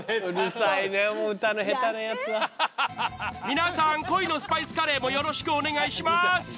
皆さん「恋のスパイスカレーｅｅｅｅｅ！」もよろしくお願いします。